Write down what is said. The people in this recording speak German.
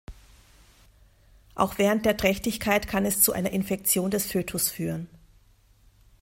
Auch während der Trächtigkeit kann zu einer Infektion des Fötus führen.